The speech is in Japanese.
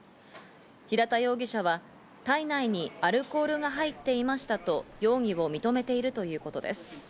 平田容疑者は体内にアルコールが入っていましたと容疑を認めているということです。